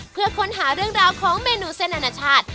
เพื่อค้นหาเรื่องราวของเมนูเส้นอนาชาติ